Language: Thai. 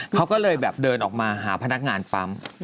เขาก็เลยแบบเดินออกมาหาพนักงานปั๊ม